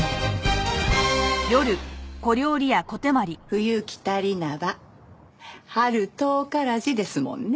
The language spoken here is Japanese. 「冬来たりなば春遠からじ」ですもんね。